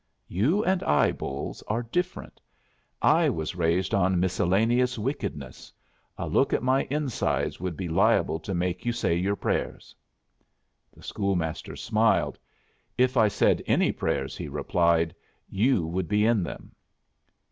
"You and I, Bolles, are different. I was raised on miscellaneous wickedness. A look at my insides would be liable to make you say your prayers." The school master smiled. "If I said any prayers," he replied, "you would be in them."